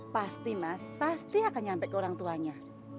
pasti mas pasti akan nyampe ke orang tuanya